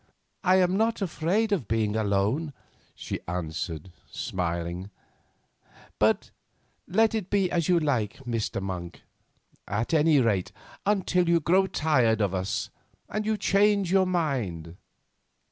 "I am not afraid of being alone," she answered, smiling; "but let it be as you like, Mr. Monk—at any rate, until you grow tired of us, and change your mind."